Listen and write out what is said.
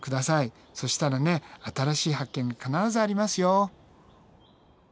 そしたらね新しい発見必ずありますよ。